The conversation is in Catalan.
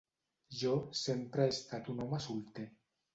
Jo sempre he estat un home solter.